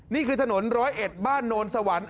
นี่คือถนนร้อยเอ็ดบ้านโนนสวรรค์